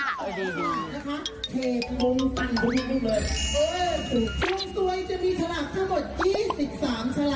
ดวงสวยจะมีสลากทั้งหมด๒๓สลากนะคะ